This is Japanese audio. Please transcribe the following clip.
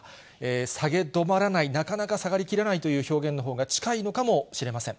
下げ止まらない、なかなか下がりきらないという表現のほうが近いのかもしれません。